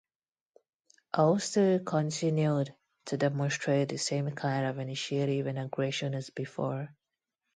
Hoste continued to demonstrate the same kind of initiative and aggression as before.